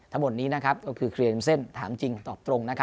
ทั้งหมดนี้ก็คือเคลียร์ริมเส้นถามจริงตอบตรง